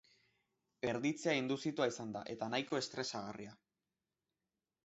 Erditzea induzitua izan da, eta nahiko estresagarria.